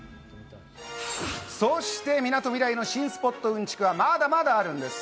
そしてみなとみらいの新スポットうんちくは、まだまだあるんです。